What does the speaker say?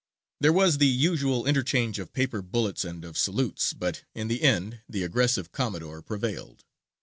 There was the usual interchange of paper bullets and of salutes; but, in the end, the aggressive Commodore prevailed.